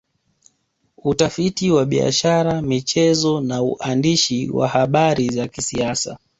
Utafiti wa biashara michezo na uandishi wa habari za kisiasa